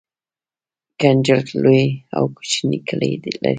ګنجګل لوی او کوچني کلي لري